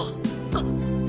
あっ！